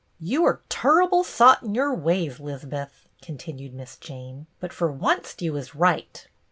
"You are turrible sot in your ways, 'Lizbeth,'' continued Miss Jane. " But fer oncet you was right.